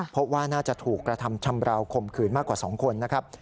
เพราะว่าน่าจะถูกกระทำชำราวข่มขืนมากกว่า๒คนนะครับ